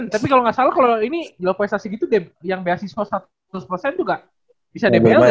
tapi kalau enggak salah kalau ini jalur prestasi gitu yang beasiswa seratus tuh enggak bisa dbl ya sih